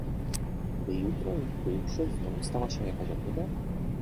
"Aby jutro lub pojutrze znów stała się jakaś ohyda?"